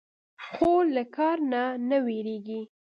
خور له کار نه نه وېرېږي.